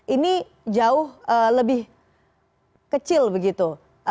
ini jauh lebih kecil begitu